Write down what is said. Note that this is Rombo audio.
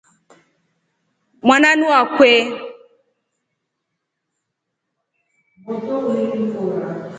Mwananuu wakwe.